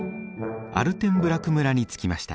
アルテンブラク村に着きました。